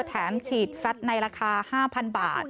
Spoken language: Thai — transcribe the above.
แถมฉีดแฟทในราคา๕๐๐๐บาท